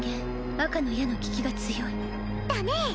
赤の矢の効きが強いだね